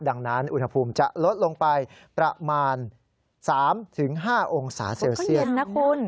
ดังนั้นอุณหภูมิจะลดลงไปประมาณ๓๕องศาเซลเซียสนะคุณ